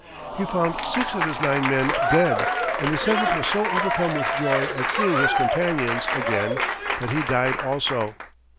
He found six of his nine men dead, and the seventh was so overcome with joy at seeing his companions again that he died also.